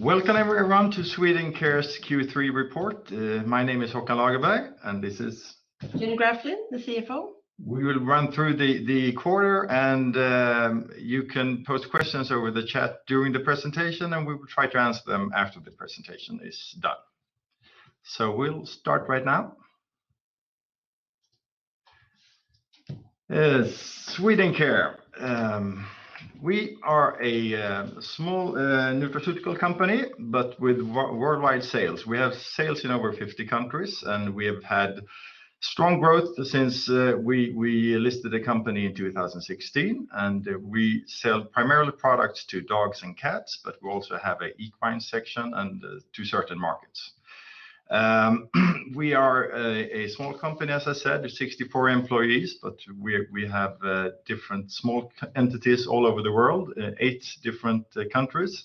Welcome everyone to Swedencare's Q3 report. My name is Håkan Lagerberg. Jenny Graflind, the CFO. We will run through the quarter. You can post questions over the chat during the presentation. We will try to answer them after the presentation is done. We'll start right now. Swedencare. We are a small nutraceutical company but with worldwide sales. We have sales in over 50 countries. We have had strong growth since we listed the company in 2016. We sell primarily products to dogs and cats, but we also have an equine section and to certain markets. We are a small company, as I said, with 64 employees, but we have different small entities all over the world in eight different countries.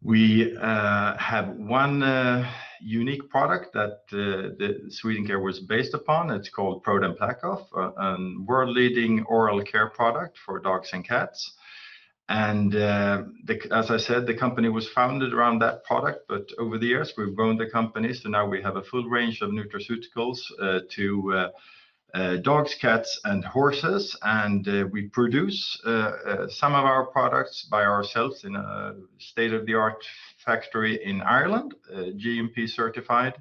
We have one unique product that Swedencare was based upon. It's called ProDen PlaqueOff, a world-leading oral care product for dogs and cats. As I said, the company was founded around that product, but over the years we've grown the company, so now we have a full range of nutraceuticals to dogs, cats, and horses. We produce some of our products by ourselves in a state-of-the-art factory in Ireland, GMP-certified.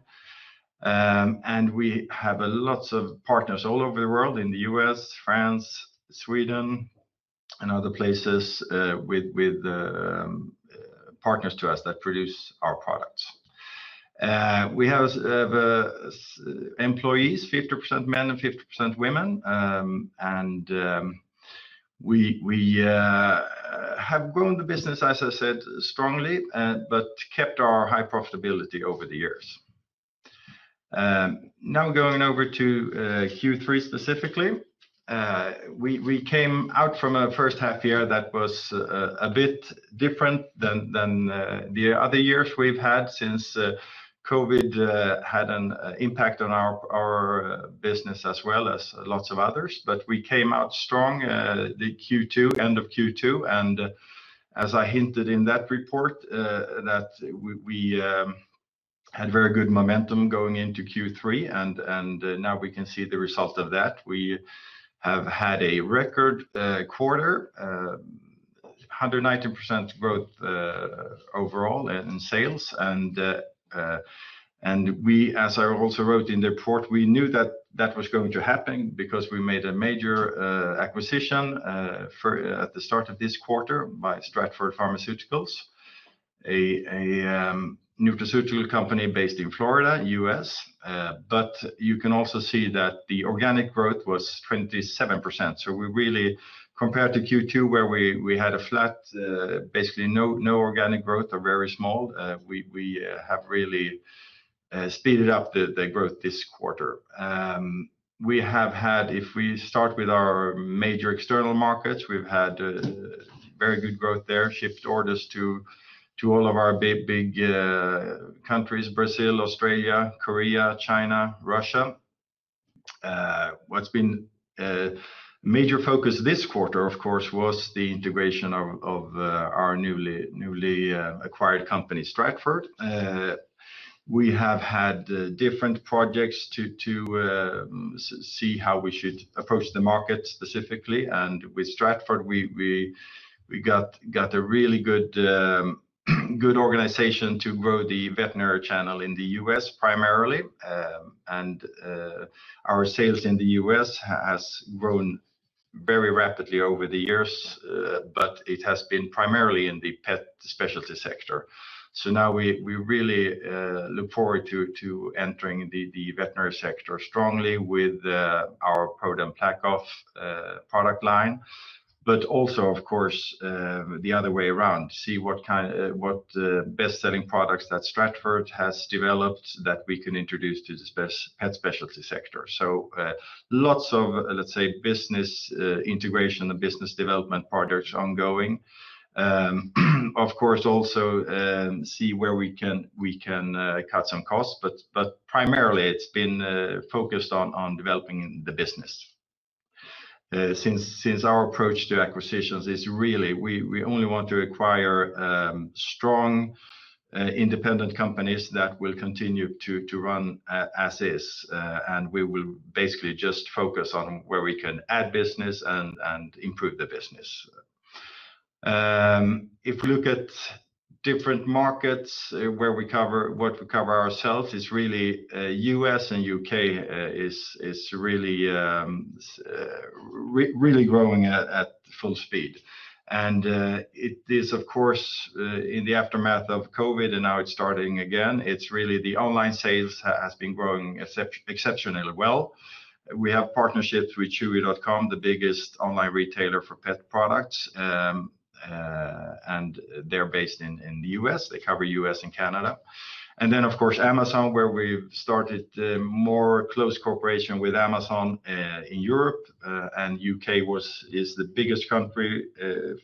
We have lots of partners all over the world, in the U.S., France, Sweden, and other places with partners to us that produce our products. We have employees, 50% men and 50% women. We have grown the business, as I said, strongly but kept our high profitability over the years. Now going over to Q3 specifically. We came out from a first half year that was a bit different than the other years we've had since COVID had an impact on our business as well as lots of others. We came out strong the end of Q2, as I hinted in that report, that we had very good momentum going into Q3, and now we can see the result of that. We have had a record quarter, 119% growth overall in sales. As I also wrote in the report, we knew that that was going to happen because we made a major acquisition at the start of this quarter by Stratford Pharmaceuticals, a nutraceutical company based in Florida, U.S. You can also see that the organic growth was 27%. Compared to Q2, where we had a flat, basically no organic growth or very small, we have really speeded up the growth this quarter. If we start with our major external markets, we've had very good growth there, shipped orders to all of our big countries, Brazil, Australia, Korea, China, Russia. What's been a major focus this quarter, of course, was the integration of our newly acquired company, Stratford. We have had different projects to see how we should approach the market specifically. With Stratford, we got a really good organization to grow the veterinary channel in the U.S. primarily. Our sales in the U.S. has grown very rapidly over the years, but it has been primarily in the pet specialty sector. Now we really look forward to entering the veterinary sector strongly with our ProDen PlaqueOff product line. Also, of course, the other way around, to see what best-selling products that Stratford has developed that we can introduce to the pet specialty sector. Lots of, let's say, business integration and business development projects ongoing. Of course, also see where we can cut some costs, but primarily it's been focused on developing the business. Since our approach to acquisitions is really we only want to acquire strong, independent companies that will continue to run as is. We will basically just focus on where we can add business and improve the business. If we look at different markets, what we cover ourselves is really U.S. and U.K. is really growing at full speed. It is of course, in the aftermath of COVID, and now it's starting again, it's really the online sales has been growing exceptionally well. We have partnerships with Chewy.com, the biggest online retailer for pet products, and they're based in the U.S. They cover U.S. and Canada. Of course, Amazon, where we've started more close cooperation with Amazon in Europe, and U.K. is the biggest country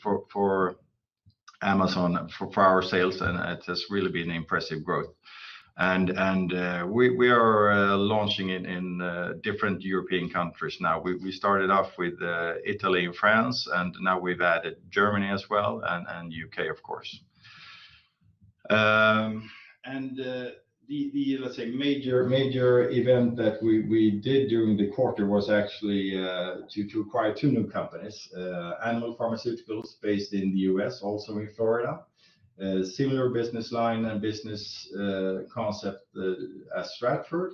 for Amazon for our sales, and it has really been impressive growth. We are launching it in different European countries now. We started off with Italy and France, now we've added Germany as well, and U.K., of course. The, let's say, major event that we did during the quarter was actually to acquire two new companies, Animal Pharmaceuticals based in the U.S., also in Florida. A similar business line and business concept as Stratford.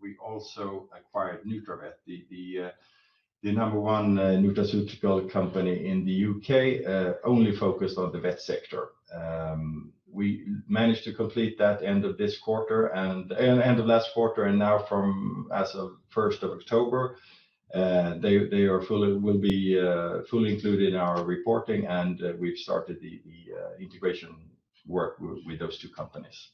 We also acquired nutravet, the number one nutraceutical company in the U.K., only focused on the vet sector. We managed to complete that end of last quarter, now as of 1st of October, they will be fully included in our reporting, we've started the integration work with those two companies.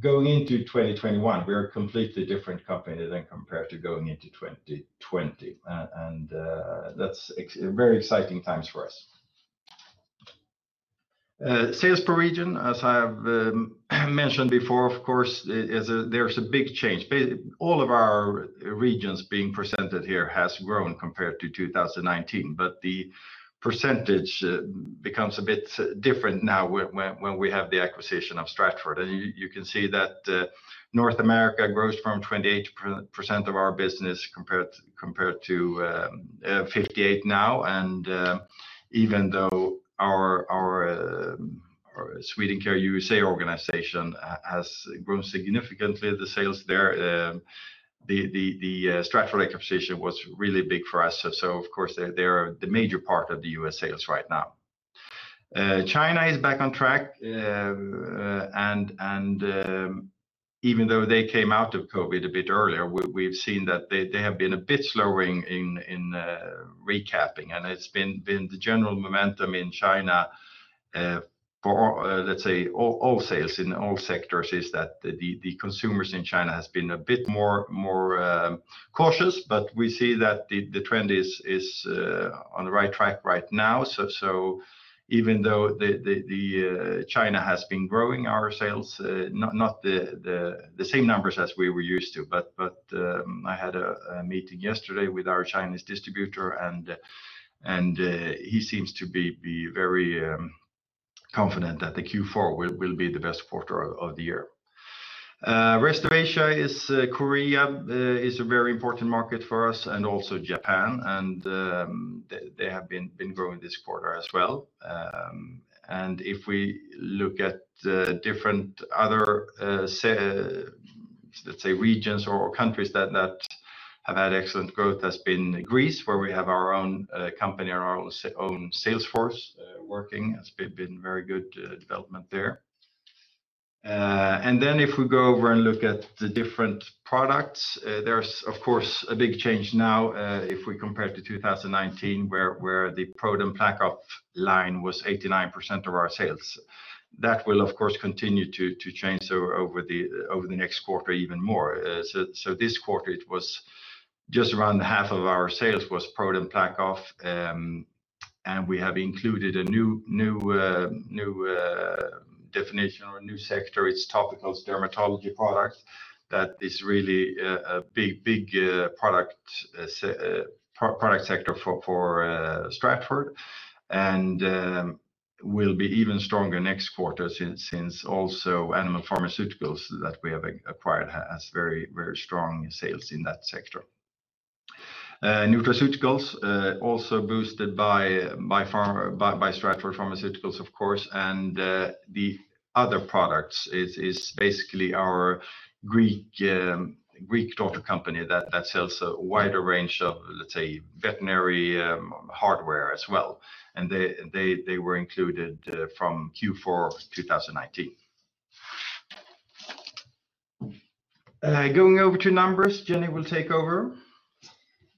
Going into 2021, we're a completely different company than compared to going into 2020, that's very exciting times for us. Sales per region, as I have mentioned before, of course, there's a big change. All of our regions being presented here has grown compared to 2019, the percentage becomes a bit different now when we have the acquisition of Stratford. You can see that North America grows from 28% of our business compared to 58% now, even though our Swedencare USA organization has grown significantly, the sales there, the Stratford acquisition was really big for us. Of course, they are the major part of the U.S. sales right now. China is back on track, even though they came out of COVID a bit earlier, we've seen that they have been a bit slowing in recapping, it's been the general momentum in China for, let's say, all sales in all sectors, is that the consumers in China has been a bit more cautious. We see that the trend is on the right track right now. Even though China has been growing our sales, not the same numbers as we were used to, but I had a meeting yesterday with our Chinese distributor, and he seems to be very confident that the Q4 will be the best quarter of the year. Rest of Asia is Korea, is a very important market for us, and also Japan. They have been growing this quarter as well. If we look at the different other, let's say, regions or countries that have had excellent growth, has been Greece, where we have our own company and our own sales force working. It's been very good development there. If we go over and look at the different products, there's of course a big change now if we compare to 2019, where the ProDen PlaqueOff line was 89% of our sales. That will of course continue to change over the next quarter even more. This quarter it was just around half of our sales was ProDen PlaqueOff, and we have included a new definition or a new sector. It's topicals dermatology products that is really a big product sector for Stratford, and will be even stronger next quarter since also Animal Pharmaceuticals that we have acquired has very strong sales in that sector. nutraceuticals, also boosted by Stratford Pharmaceuticals, of course, and the other products is basically our Greek daughter company that sells a wider range of, let's say, veterinary hardware as well. They were included from Q4 2019. Going over to numbers, Jenny will take over.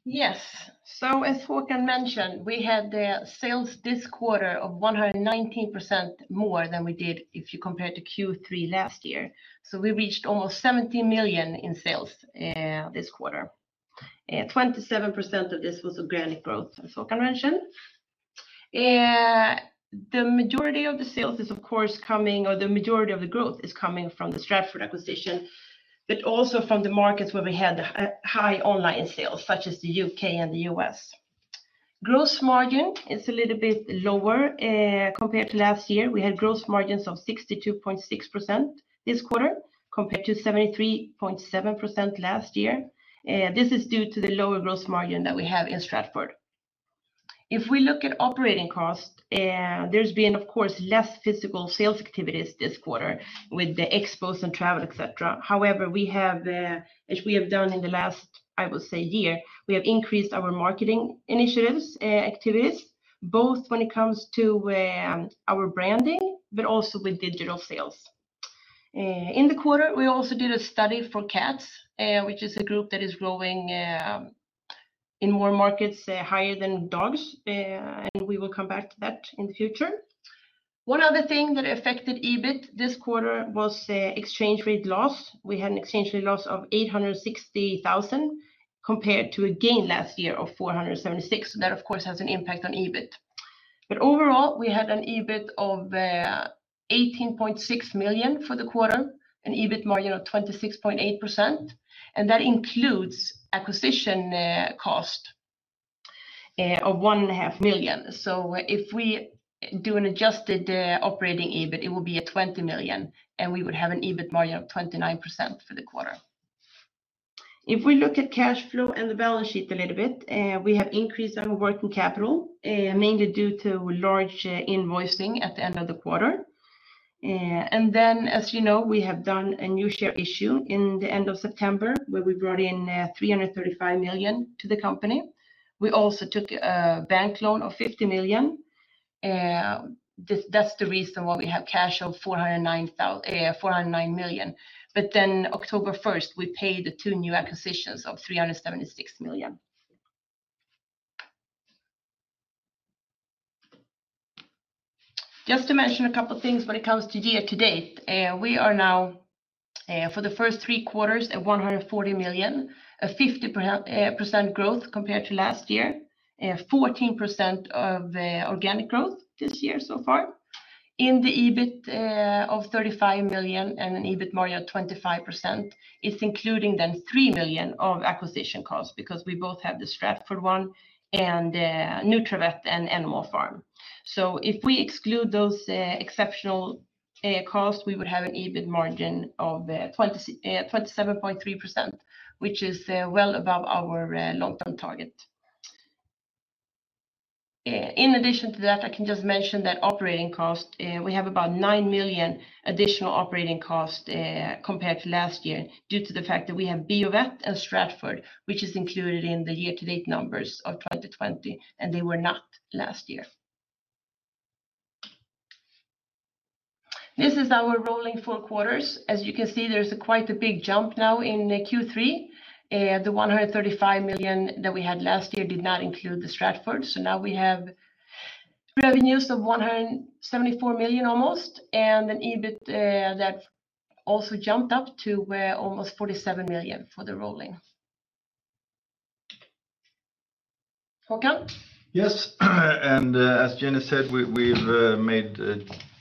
As Håkan mentioned, we had the sales this quarter of 119% more than we did if you compare to Q3 last year. We reached almost 70 million in sales this quarter. 27% of this was organic growth, as Håkan mentioned. The majority of the growth is coming from the Stratford acquisition, but also from the markets where we had high online sales, such as the U.K. and the U.S. Gross margin is a little bit lower compared to last year. We had gross margins of 62.6% this quarter, compared to 73.7% last year. This is due to the lower gross margin that we have in Stratford. If we look at operating cost, there's been, of course, less physical sales activities this quarter with the expos and travel, et cetera. As we have done in the last, I will say, year, we have increased our marketing initiatives activities, both when it comes to our branding, but also with digital sales. In the quarter, we also did a study for cats, which is a group that is growing in more markets higher than dogs, and we will come back to that in the future. One other thing that affected EBIT this quarter was the exchange rate loss. We had an exchange rate loss of 860,000 compared to a gain last year of 476,000. That, of course, has an impact on EBIT. Overall, we had an EBIT of 18.6 million for the quarter, an EBIT margin of 26.8%, and that includes acquisition cost of 1.5 million. If we do an adjusted operating EBIT, it will be at 20 million, and we would have an EBIT margin of 29% for the quarter. If we look at cash flow and the balance sheet a little bit, we have increased our working capital, mainly due to large invoicing at the end of the quarter. As you know, we have done a new share issue in the end of September, where we brought in 335 million to the company. We also took a bank loan of 50 million. That's the reason why we have cash of 409 million. October 1st, we paid the two new acquisitions of 376 million. Just to mention a couple of things when it comes to year-to-date. We are now, for the first three quarters, at 140 million, a 50% growth compared to last year, 14% of organic growth this year so far. In the EBIT of 35 million and an EBIT margin of 25%, it's including 3 million of acquisition costs because we both have the Stratford one and nutravet and Animal Pharmaceuticals. If we exclude those exceptional costs, we would have an EBIT margin of 27.3%, which is well above our long-term target. In addition to that, I can just mention that operating cost, we have about 9 million additional operating cost compared to last year due to the fact that we have Biovet and Stratford, which is included in the year-to-date numbers of 2020, and they were not last year. This is our rolling four quarters. As you can see, there's quite a big jump now in Q3. The 135 million that we had last year did not include the Stratford. Now we have revenues of 174 million almost, and an EBIT that also jumped up to almost 47 million for the rolling. Håkan? Yes. As Jenny said, we've made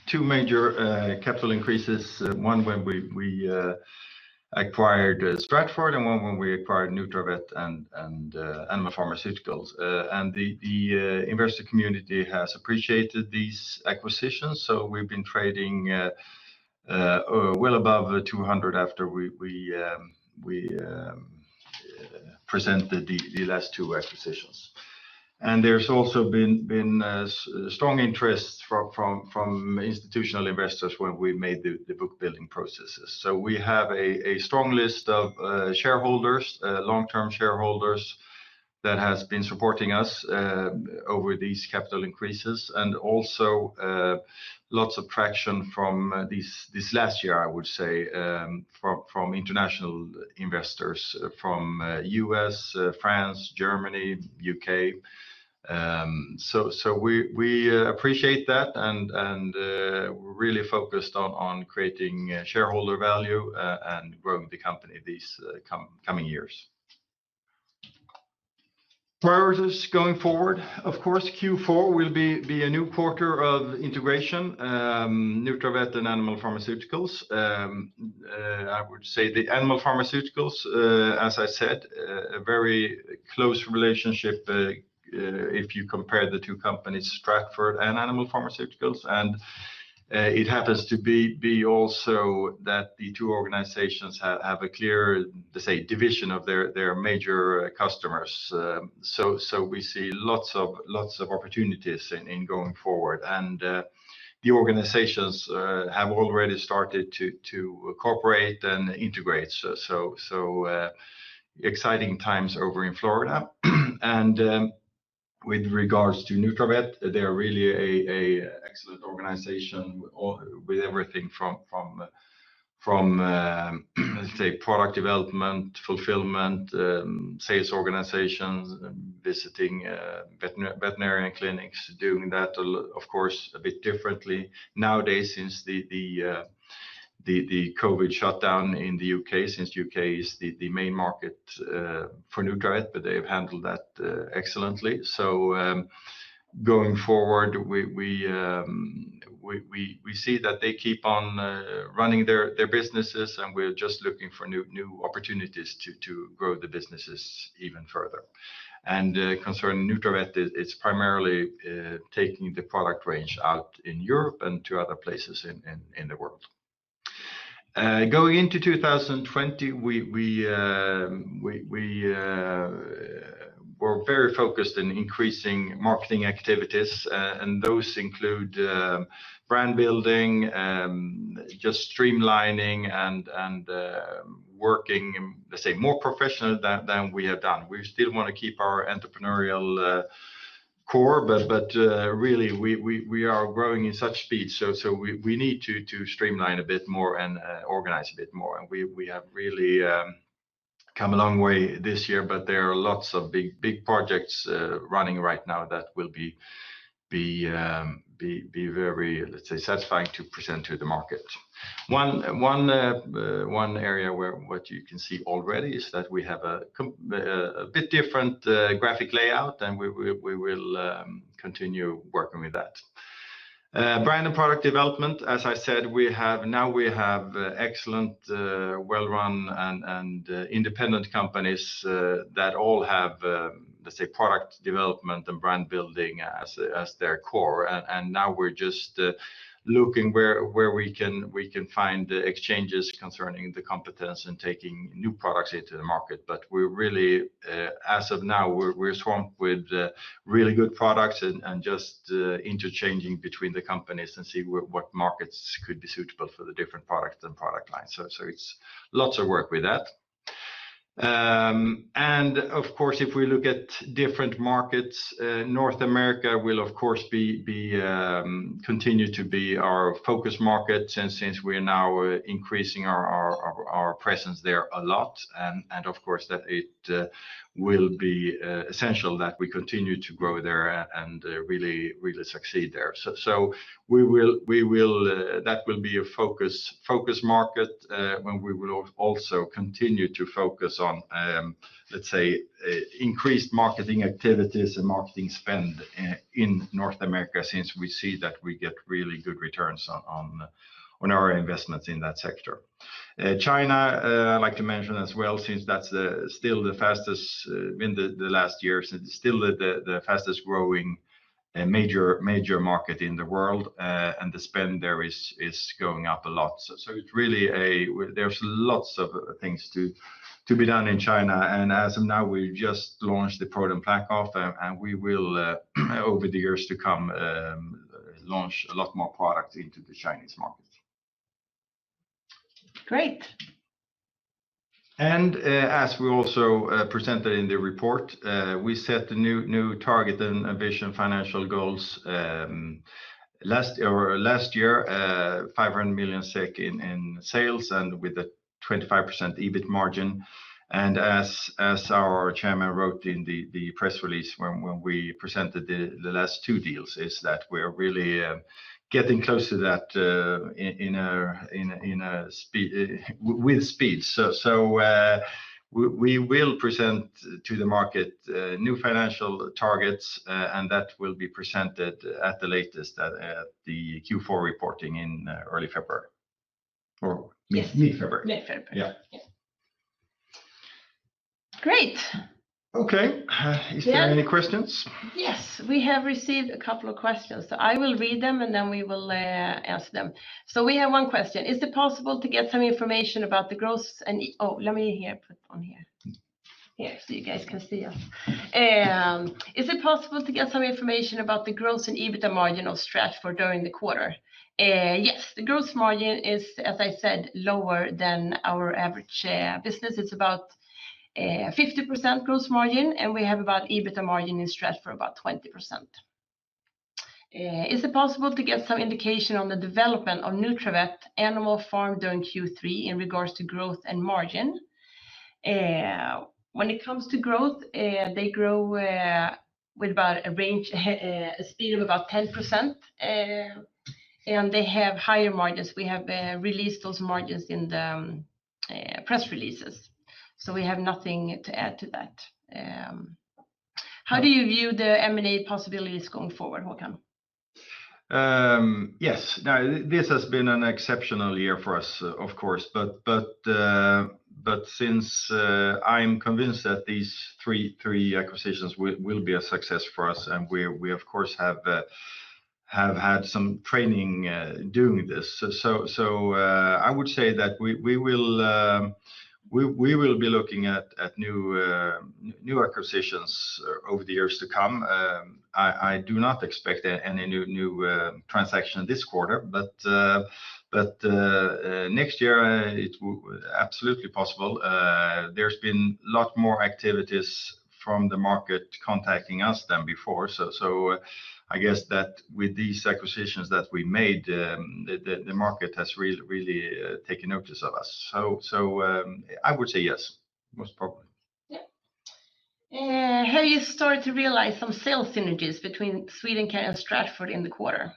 two major capital increases. One when we acquired Stratford and one when we acquired nutravet and Animal Pharmaceuticals. The investor community has appreciated these acquisitions. We've been trading well above 200 after we presented the last two acquisitions. There's also been strong interest from institutional investors when we made the book building processes. We have a strong list of shareholders, long-term shareholders, that has been supporting us over these capital increases, and also lots of traction from this last year, I would say, from international investors from U.S., France, Germany, U.K. We appreciate that and really focused on creating shareholder value and growing the company these coming years. Priorities going forward. Of course, Q4 will be a new quarter of integration, nutravet and Animal Pharmaceuticals. I would say the Animal Pharmaceuticals, as I said, a very close relationship if you compare the two companies, Stratford and Animal Pharmaceuticals. It happens to be also that the two organizations have a clear, let's say, division of their major customers. We see lots of opportunities in going forward. The organizations have already started to cooperate and integrate, so exciting times over in Florida. With regards to nutravet, they are really an excellent organization with everything from, let's say, product development, fulfillment, sales organizations, visiting veterinarian clinics, doing that, of course, a bit differently nowadays since the COVID shutdown in the U.K., since U.K. is the main market for nutravet, but they have handled that excellently. Going forward, we see that they keep on running their businesses, and we're just looking for new opportunities to grow the businesses even further. Concerning nutravet, it's primarily taking the product range out in Europe and to other places in the world. Going into 2020, we're very focused in increasing marketing activities. Those include brand building, just streamlining and working, let's say, more professional than we have done. We still want to keep our entrepreneurial core. Really, we are growing in such speed. We need to streamline a bit more and organize a bit more. We have really come a long way this year. There are lots of big projects running right now that will be very, let's say, satisfying to present to the market. One area where what you can see already is that we have a bit different graphic layout. We will continue working with that. Brand and product development, as I said, now we have excellent, well-run, and independent companies that all have, let's say, product development and brand building as their core. Now we're just looking where we can find exchanges concerning the competence and taking new products into the market. As of now, we're swamped with really good products and just interchanging between the companies and see what markets could be suitable for the different products and product lines. It's lots of work with that. Of course, if we look at different markets, North America will, of course, continue to be our focus market since we are now increasing our presence there a lot. Of course, that it will be essential that we continue to grow there and really succeed there. That will be a focus market, when we will also continue to focus on, let's say, increased marketing activities and marketing spend in North America since we see that we get really good returns on our investments in that sector. China, I'd like to mention as well, since in the last year, it's still the fastest-growing major market in the world, and the spend there is going up a lot. There's lots of things to be done in China. As of now, we just launched the ProDen PlaqueOff, and we will over the years to come, launch a lot more product into the Chinese market. Great. As we also presented in the report, we set the new target and ambition financial goals last year, 500 million SEK in sales and with a 25% EBIT margin. As our chairman wrote in the press release when we presented the last two deals, is that we're really getting close to that with speed. We will present to the market new financial targets, and that will be presented at the latest at the Q4 reporting in early February. Yes Mid-February. Mid-February. Yeah. Yeah. Great. Okay. Yeah. Is there any questions? We have received a couple of questions. I will read them. We will ask them. We have one question. Is it possible to get some information about the gross and EBITDA margin of Stratford during the quarter? The gross margin is, as I said, lower than our average business. It's about 50% gross margin, and we have about EBITDA margin in Stratford about 20%. Is it possible to get some indication on the development of nutravet and Animal Pharmaceuticals during Q3 in regards to growth and margin? When it comes to growth, they grow with about a speed of about 10%, and they have higher margins. We have released those margins in the press releases. We have nothing to add to that. How do you view the M&A possibilities going forward, Håkan? Yes. Now, this has been an exceptional year for us, of course, but since I'm convinced that these three acquisitions will be a success for us, and we of course have had some training doing this. I would say that we will be looking at new acquisitions over the years to come. I do not expect any new transaction this quarter, but next year, it is absolutely possible. There's been lot more activities from the market contacting us than before. I guess that with these acquisitions that we made, the market has really taken notice of us. I would say yes, most probably. Yeah. Have you started to realize some sales synergies between Swedencare and Stratford in the quarter?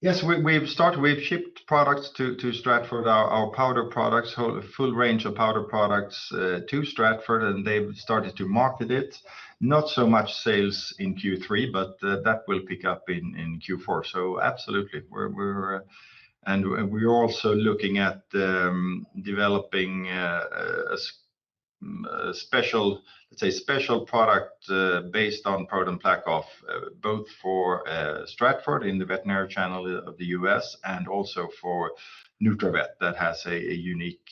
Yes, we've shipped products to Stratford, our powder products, whole full range of powder products to Stratford, they've started to market it. Not so much sales in Q3, that will pick up in Q4. Absolutely. We're also looking at developing, let's say, special product based on ProDen PlaqueOff both for Stratford in the veterinary channel of the U.S. and also for nutravet that has a unique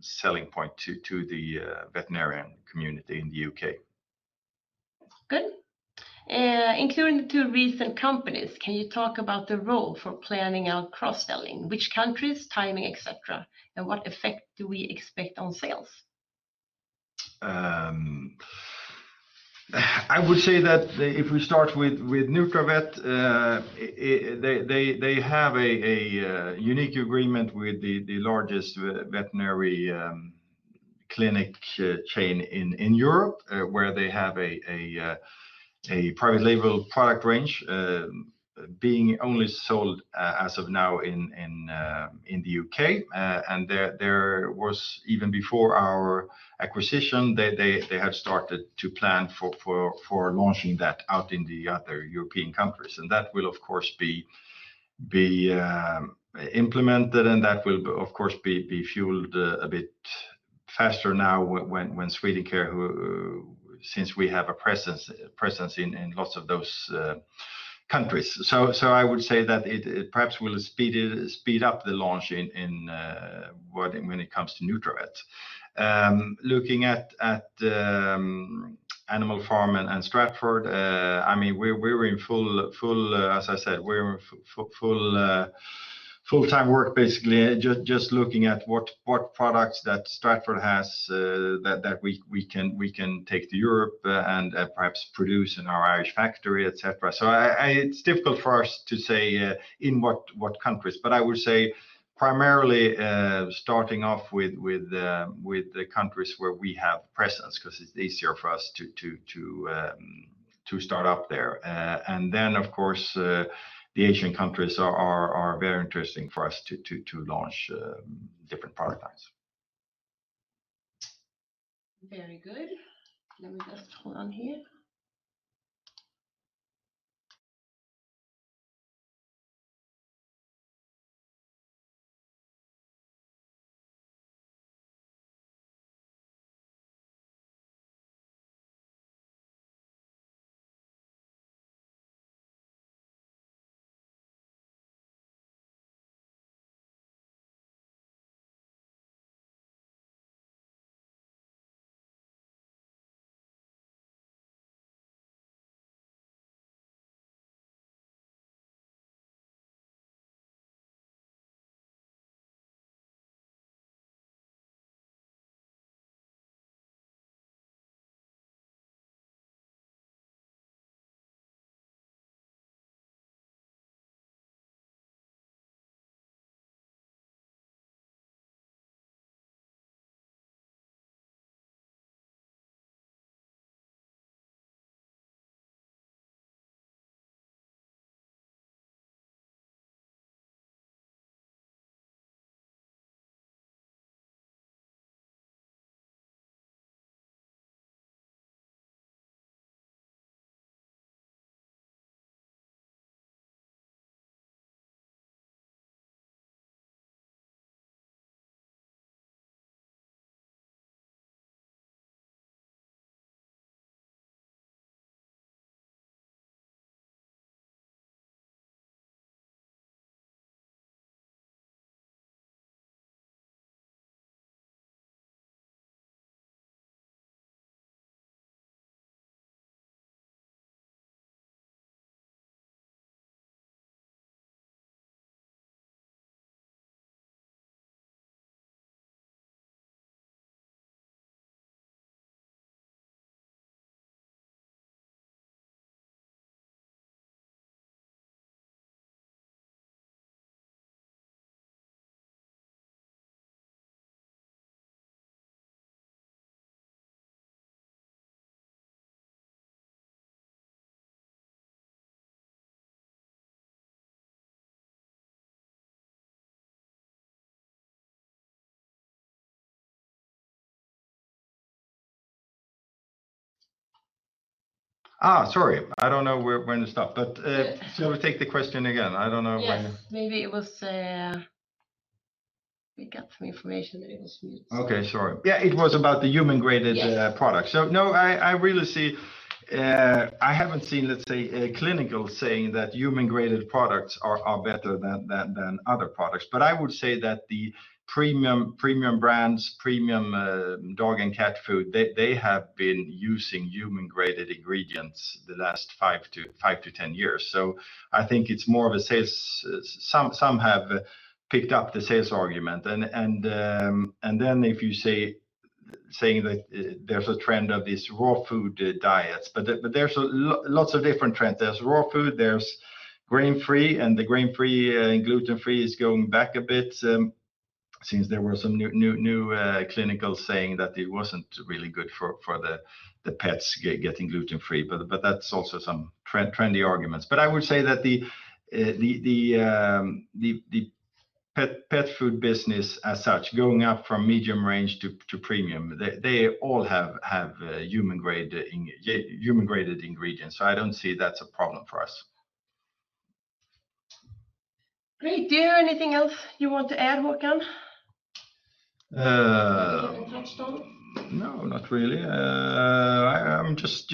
selling point to the veterinarian community in the U.K. Good. Including the two recent companies, can you talk about the role for planning out cross-selling, which countries, timing, et cetera, and what effect do we expect on sales? I would say that if we start with nutravet, they have a unique agreement with the largest veterinary clinic chain in Europe, where they have a private label product range being only sold as of now in the U.K. Even before our acquisition, they had started to plan for launching that out in the other European countries. That will, of course, be implemented and that will, of course, be fueled a bit faster now since we have a presence in lots of those countries. I would say that it perhaps will speed up the launch when it comes to nutravet. Looking at Animal Pharmaceuticals and Stratford, as I said, we're in full-time work, basically, just looking at what products that Stratford has that we can take to Europe and perhaps produce in our Irish factory, et cetera. It's difficult for us to say in what countries, but I would say primarily starting off with the countries where we have presence, because it's easier for us to start up there. Then, of course, the Asian countries are very interesting for us to launch different product lines. Very good. Let me just hold on here. Sorry, I don't know when to stop. Shall we take the question again? Yes. Maybe it was we got some information that it was mute. Okay, sure. Yeah. Yes products. No, I haven't seen, let's say, a clinical saying that human-graded products are better than other products. I would say that the premium brands, premium dog and cat food, they have been using human-graded ingredients the last 5-10 years. I think it's more of a sales. Some have picked up the sales argument. If you're saying that there's a trend of these raw food diets, but there's lots of different trends. There's raw food, there's grain-free, and the grain-free and gluten-free is going back a bit since there were some new clinicals saying that it wasn't really good for the pets getting gluten-free. That's also some trendy arguments. I would say that the pet food business as such, going up from medium range to premium, they all have human-graded ingredients, so I don't see that's a problem for us. Great. Do you have anything else you want to add, Håkan? That you haven't touched on? No, not really. I am just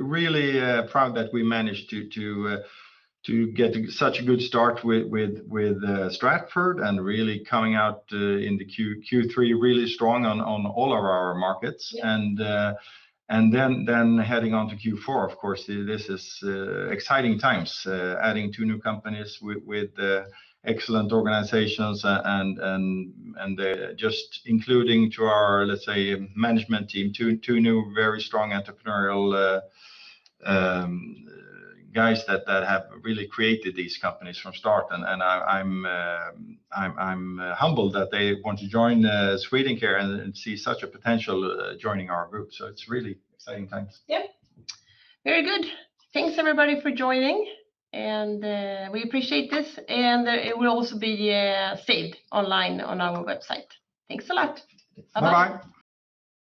really proud that we managed to get such a good start with Stratford and really coming out in the Q3 really strong on all of our markets. Yeah. Heading on to Q4, of course, this is exciting times, adding two new companies with excellent organizations and just including to our, let's say, management team, two new very strong entrepreneurial guys that have really created these companies from start. I'm humbled that they want to join Swedencare and see such a potential joining our group. It's really exciting times. Yep. Very good. Thanks everybody for joining, and we appreciate this and it will also be saved online on our website. Thanks a lot. Bye-bye. Bye-bye.